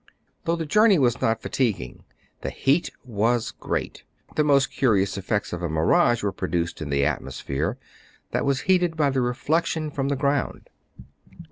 Though the journey was not fatiguing, the heat was great. The most curious effects of a mirage were produced in the atmosphere, that was heated by the reflection from the ground.